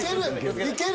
いける！